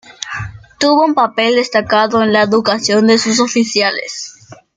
Tuvo un papel destacado en la educación de sus oficiales.